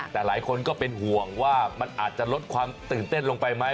แต่หลายคนก็เป็นห่วงว่ามันอาจจะลดความตื่นเต้นลงไปไหม